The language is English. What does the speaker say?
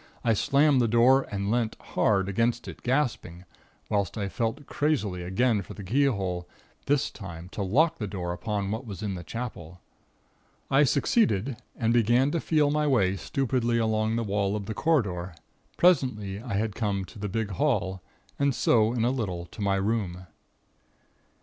I slammed the door and leant hard against it, gasping, whilst I felt crazily again for the keyhole, this time to lock the door upon what was in the Chapel. I succeeded, and began to feel my way stupidly along the wall of the corridor. Presently I had come to the big hall, and so in a little to my room.